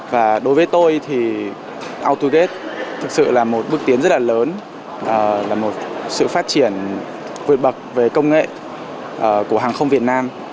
và đối với tôi thì autogate thực sự là một bước tiến rất là lớn là một sự phát triển vượt bậc về công nghệ của hàng không việt nam